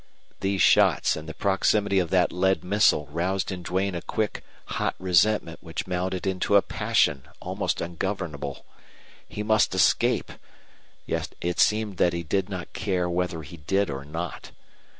These shots and the proximity of that lead missile roused in Duane a quick, hot resentment which mounted into a passion almost ungovernable. He must escape, yet it seemed that he did not care whether he did or not.